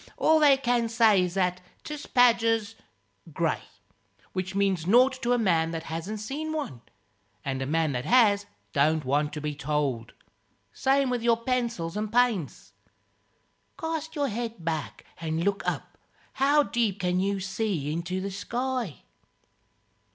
All they can say is that 'tis badger's grey which means nought to a man that hasn't seen one; and a man that has don't want to be told. Same with your pencils and paints. Cast your head back and look up how deep can you see into the sky?"